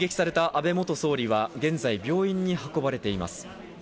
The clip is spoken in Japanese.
安倍元総理は現在、病院に運ばれています。